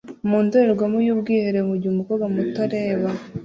mu ndorerwamo y'ubwiherero mugihe umukobwa muto areba